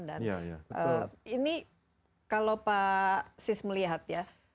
dan ini kalau pak sis melihat ya